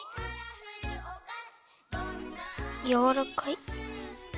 やわらかい。